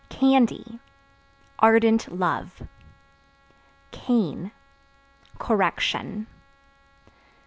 Candy Ardent love. Cane Correction.